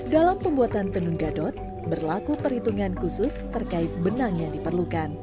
dalam pembuatan tenun gadot berlaku perhitungan khusus terkait benang yang diperlukan